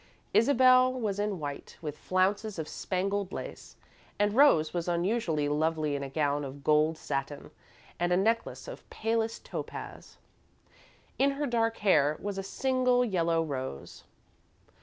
Isabel was in white, with flounces of spangled lace, and Rose was unusually lovely in a gown of old gold satin and a necklace of palest topaz. In her dark hair was a single yellow rose.